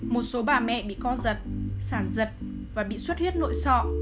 một số bà mẹ bị co giật sản và bị suất huyết nội sọ